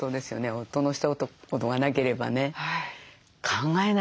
夫のひと言がなければね考えないですよ。